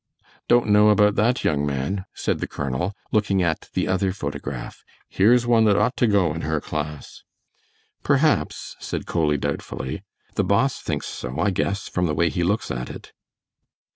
"Don't know about that, young man," said the colonel, looking at the other photograph; "here's one that ought to go in her class." "Perhaps," said Coley, doubtfully, "the boss thinks so, I guess, from the way he looks at it."